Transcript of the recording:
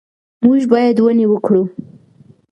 موږ باید ونې وکرو.